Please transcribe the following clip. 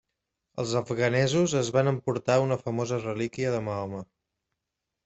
Els afganesos es van emportar una famosa relíquia de Mahoma.